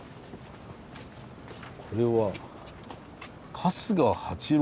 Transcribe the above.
これは春日八郎